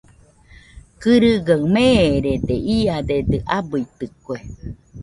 Kɨrɨgaɨ meerede, iadedɨ abɨitɨkue.